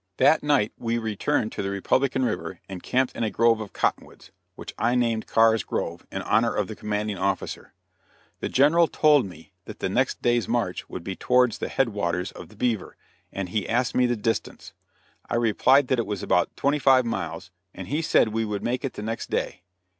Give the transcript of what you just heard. That night we returned to the Republican river and camped in a grove of cottonwoods, which I named Carr's Grove, in honor of the commanding officer. The General told me that the next day's march would be towards the head waters of the Beaver, and he asked me the distance. I replied that it was about twenty five miles, and he said we would make it the next day.